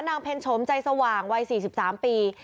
นางเพนชมใจสว่างวัย๔๓ปี